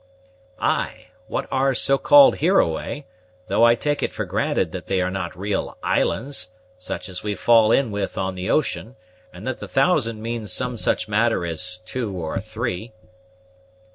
"Ay, what are so called hereaway, though I take it for granted that they are not real islands, such as we fall in with on the ocean; and that the thousand means some such matter as two or three."